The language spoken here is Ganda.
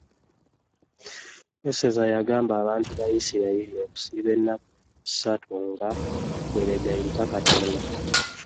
Eseza yagamba abantu ba yisirayiri okusiiba ennaku ssatu ga bwebegayirira Katonda .